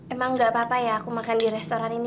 emang gak apa apa ya aku makan di restoran ini